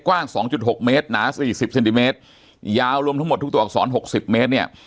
กว้าง๒๖เมตรหนาสี่สิบเซนติเมตรยาวรวมทั้งหมดทุกตัวอักษร๖๐เมตรเนี่ย